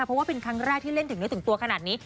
เพราะว่าเป็นครั้งแรกที่เล่นถึงเนื้อถึงตัวขนาดนี้